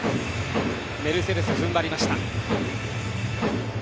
メルセデス、踏ん張りました。